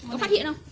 có phát hiện không